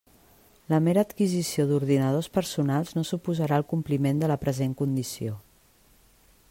La mera adquisició d'ordinadors personals no suposarà el compliment de la present condició.